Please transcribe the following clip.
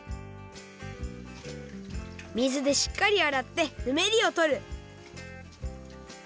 水でしっかりあらってぬめりをとる！